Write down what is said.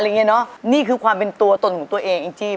เพราะว่าเพราะว่าเพราะ